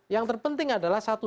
yang terpenting adalah satu